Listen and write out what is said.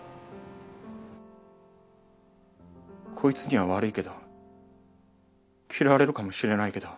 こいつには悪いけど嫌われるかもしれないけど。